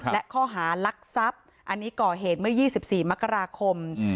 และข้อหารักทรัพย์อันนี้ก่อเหตุเมื่อ๒๔มกราคม